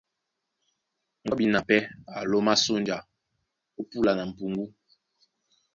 Gɔ́bina pɛ́ á lómá sónja ó púla ná m̀puŋgú.